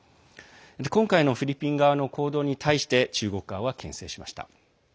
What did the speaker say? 今回のフィリピン側の行動に対して中国側は、けん制しました。